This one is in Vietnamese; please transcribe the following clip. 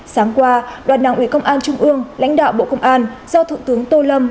sáng qua đoàn đảng ủy công an trung ương lãnh đạo bộ công an do thượng tướng tô lâm